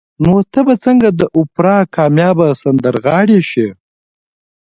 نو ته به څنګه د اوپرا کاميابه سندرغاړې شې